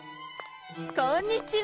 こんにちは。